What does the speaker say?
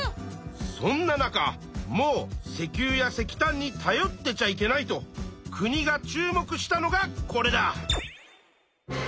そんな中もう石油や石炭にたよってちゃいけないと国が注目したのがこれだ！